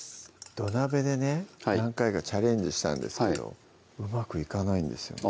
土鍋でね何回かチャレンジしたんですけどうまくいかないんですよね